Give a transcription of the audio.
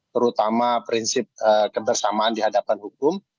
terutama prinsip kebersamaan di hadapan hukum